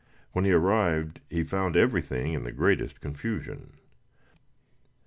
When he arrived he found everything in the greatest confusion.